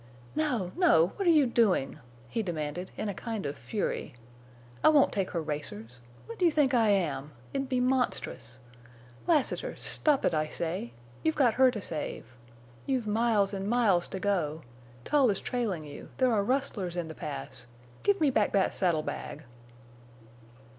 "No, no! What are you doing?" he demanded, in a kind of fury. "I won't take her racers. What do you think I am? It'd be monstrous. Lassiter! stop it, I say!... You've got her to save. You've miles and miles to go. Tull is trailing you. There are rustlers in the Pass. Give me back that saddle bag!"